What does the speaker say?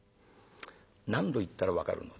「何度言ったら分かるのだ？